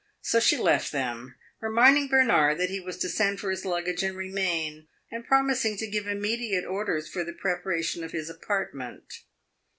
So she left them, reminding Bernard that he was to send for his luggage and remain, and promising to give immediate orders for the preparation of his apartment.